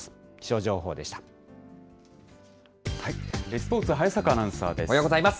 スポーツ、早坂アナウンサーです。